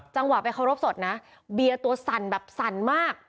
จังหวะไปเคารพสดนะเบียร์ตัวสั่นแบบสั่นมาก